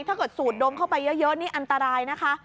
ถ้าเกิดสูตรดมเข้าไปเยอะนี่อันตรายนะคะ